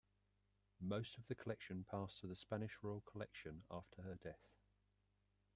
Most of the collection passed to the Spanish Royal Collection after her death.